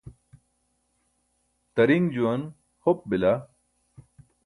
tariṅ juwan hop bila